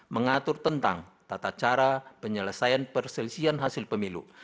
mengatur tentang tata cara penyelesaian perselisihan hasil pemilu